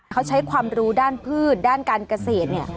เขาใช้ความรู้ด้านพืชด้านการเกษตรเนี่ย